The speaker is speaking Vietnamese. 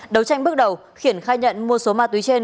đấu tranh bước đầu khiển khai nhận mua số ma túy trên